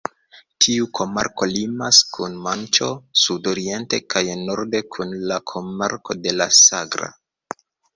Tiu komarko limas kun Manĉo sudoriente kaj norde kun la komarko de la Sagra.